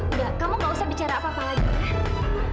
udah kamu nggak usah bicara apa apa lagi ya